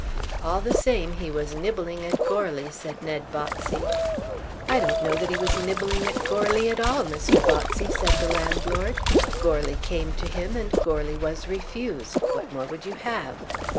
"All the same he was nibbling at Goarly," said Ned Botsey. "I don't know that he was nibbling at Goarly at all, Mr. Botsey," said the landlord. "Goarly came to him, and Goarly was refused. What more would you have?"